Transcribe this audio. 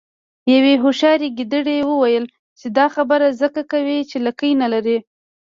یوې هوښیارې ګیدړې وویل چې دا خبره ځکه کوې چې لکۍ نلرې.